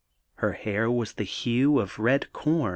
Her hair was the hue of red com.